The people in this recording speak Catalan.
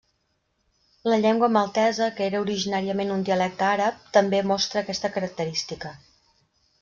La llengua maltesa, que era originàriament un dialecte àrab, també mostra aquesta característica.